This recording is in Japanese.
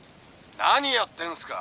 「何やってんすか？」。